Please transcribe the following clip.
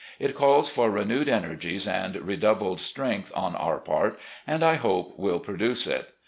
It calls for renewed energies and redoubled strength on our part, and, I hope, will produce it.